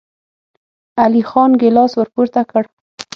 علی خان ګيلاس ور پورته کړ.